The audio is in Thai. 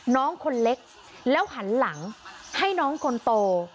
น้องคนเล็กแล้วหันหลังให้น้องคนโต